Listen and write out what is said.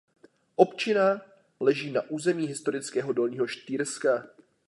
Občina leží na území historického Dolního Štýrska.